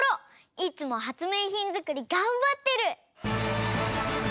いつもはつめいひんづくりがんばってる！